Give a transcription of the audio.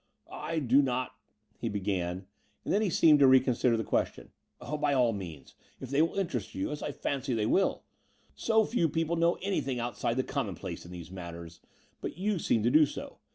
"I do not ..." he began ; and then he seemed to reconsider the question. By all means, if they will interest you, as I fancy they will. So few people know anything outside the commonplace in these matters: but you seem to do so.